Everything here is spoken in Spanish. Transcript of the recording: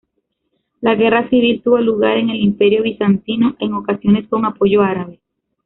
La guerra civil tuvo lugar en el Imperio bizantino, en ocasiones con apoyo árabe.